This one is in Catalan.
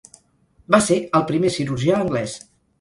Va ser el primer cirurgià anglès.